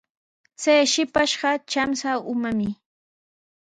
Chay shipashqa trapsa umami.